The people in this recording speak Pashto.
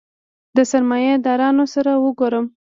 د سرمایه دارانو سره وګورم.